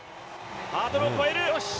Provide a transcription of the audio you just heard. ハードルを越える。